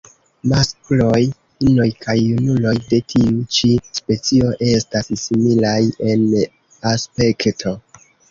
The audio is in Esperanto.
Maskloj, inoj kaj junuloj de tiu ĉi specio estas similaj en aspekto.